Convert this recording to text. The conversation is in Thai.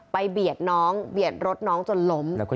เบียดน้องเบียดรถน้องจนล้ม